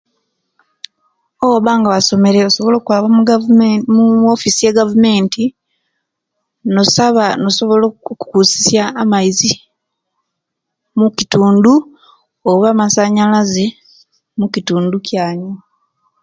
Obwobanga bwasomere osobola okwaba mu gavu mu offisi ya gavumenti nosaba nosobola okukusisiya amaizi mukitundu oba masanyalaze mukitundu kiyanyu